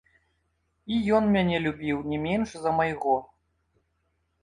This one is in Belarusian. І ён мяне любіў не менш за майго.